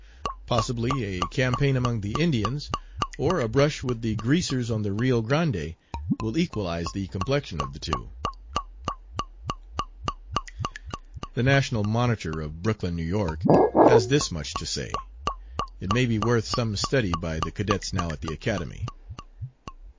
Possibly a campaign among the Indians, or a brush with the 'Greasers' on the Rio Grande, will equalize the complexion of the two." The National Monitor, of Brooklyn (N. Y.), has this much to say. It may be worth some study by the cadets now at the Academy.